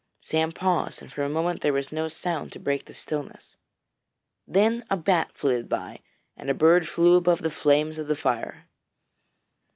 Sam paused, and for a moment there was no sound to break the stillness. Then a bat flitted by, and a bird flew above the flames of the fire.